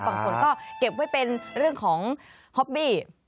บางคนก็เก็บไว้เป็นเรื่องของฮอบบี้